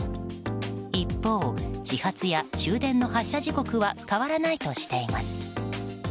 一方、始発や終電の発車時刻は変わらないとしています。